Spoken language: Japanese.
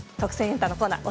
エンタ」のコーナー